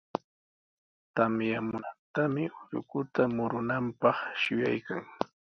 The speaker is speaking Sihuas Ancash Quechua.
Tamyamunantami ullukuta murunanpaq shuyaykan.